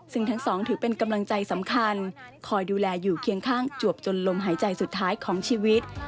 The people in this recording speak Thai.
ซึ่งทั้งสองถือเป็นกำลังใจสำคัญคอยดูแลอยู่เคียงข้างจวบจนลมหายใจสุดท้ายของชีวิต